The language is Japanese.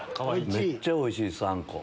めっちゃおいしいですあんこ。